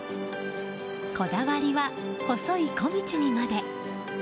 こだわりは細い小道にまで。